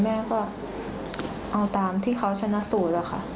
แม่ก็เอาตามที่เขาชนะสูตรอะค่ะ